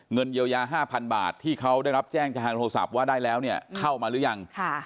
เงินเยียวยา๕๐๐๐บาทที่เขาได้รับแจ้งจากทางโทรศัพท์ว่าได้แล้วเนี่ยเข้ามาหรือยัง